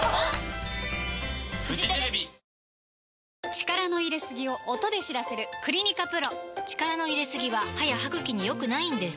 力の入れすぎを音で知らせる「クリニカＰＲＯ」力の入れすぎは歯や歯ぐきに良くないんです